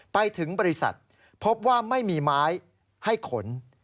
ไปถึงบริษัทพบว่าไม่มีไม้ให้ขน